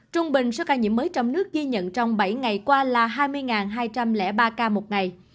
trung bình số ca nhiễm mới trong nước ghi nhận trong bảy ngày qua là hai mươi hai trăm linh ba ca một ngày